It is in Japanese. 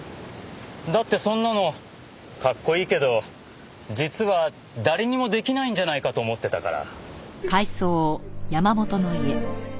だってそんなのかっこいいけど実は誰にも出来ないんじゃないかと思ってたから。